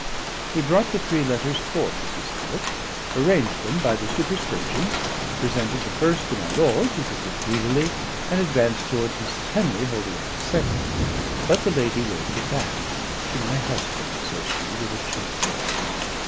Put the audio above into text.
He brought the three letters forth as he spoke, arranged them by their superscriptions, presented the first to my lord, who took it greedily, and advanced towards Mrs. Henry holding out the second. But the lady waved it back. "To my husband," says she, with a choked voice.